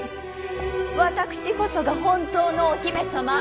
私こそが本当のお姫さま！